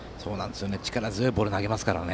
力強いボールを投げますよね。